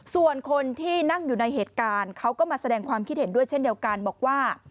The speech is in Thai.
ส่วนคนที่นั่งอยู่ในเหตุการณ์เขาก็มาแสดงความคิดเห็นด้วยเช่นเดียวกันบอกว่า